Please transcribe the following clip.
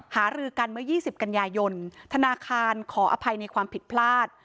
หารือกันเมื่อ๒๐กันยายนธนาคารขออภัยในความผิดพลาด